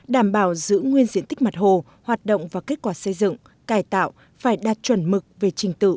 đảm bảo giữ nguyên diện tích mặt hồ hoạt động và kết quả xây dựng cải tạo phải đạt chuẩn mực về trình tự